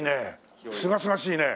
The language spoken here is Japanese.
すがすがしいね。